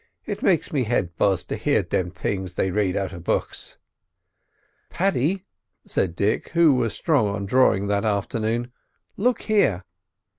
"It makes me head buzz to hear them things they rade out of books." "Paddy," said Dick, who was strong on drawing that afternoon, "look here."